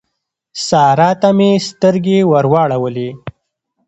سارا ته مې سترګې ور واړولې.